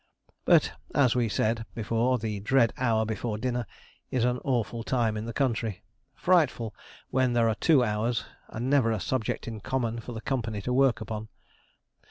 But, as we said before, the dread hour before dinner is an awful time in the country frightful when there are two hours, and never a subject in common for the company to work upon.